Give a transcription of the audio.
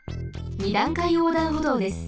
二段階横断歩道です。